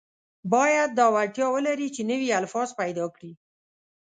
باید دا وړتیا ولري چې نوي الفاظ پیدا کړي.